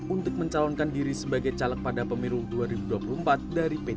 untuk mencalonkan diri sebagai caleg pada pemilu dua ribu dua puluh empat dari p tiga